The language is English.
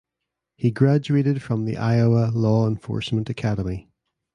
He graduated from the Iowa Law Enforcement Academy.